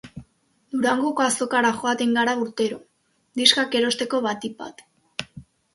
Durangoko azokara joaten gara urtero, diskak erosteko batipat.